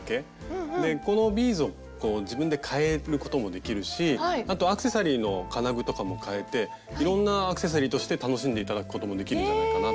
でこのビーズを自分で変えることもできるしあとアクセサリーの金具とかも変えていろんなアクセサリーとして楽しんで頂くこともできるんじゃないかなと思って。